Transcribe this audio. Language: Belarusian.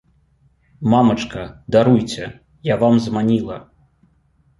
Мамачка, даруйце, я вам зманіла!